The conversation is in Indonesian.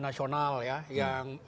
nasional ya yang